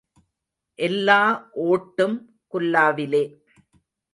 எல்லா ஓட்டும் குல்லாவிலே.